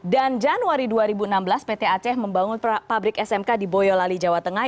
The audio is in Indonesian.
dan januari dua ribu enam belas pt aceh membangun pabrik smk di boyolali jawa tengah